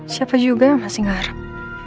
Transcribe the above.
siapa juga yang masih ngarep